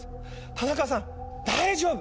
田中さん大丈夫！